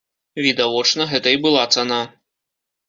Відавочна, гэта і была цана.